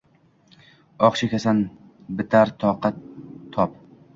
Oh chekasan, bitar toqat-tob